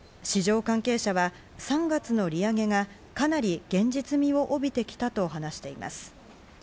市場関係者は３月の利上げがかなり現実味を帯びてきたと話しています。